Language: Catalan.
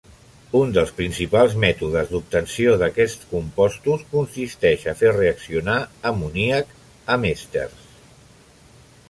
Un dels principals mètodes d'obtenció d'aquests compostos consisteix a fer reaccionar amoníac amb èsters.